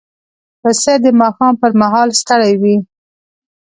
پسه د ماښام پر مهال ستړی وي.